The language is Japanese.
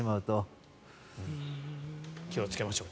気をつけましょう。